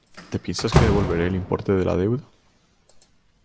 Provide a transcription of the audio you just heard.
¿Te piensas que devolveré el importe de la deuda?